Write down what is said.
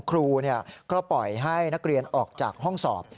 ครูก็ปล่อยให้นักเรียนออกจากห้องสอบ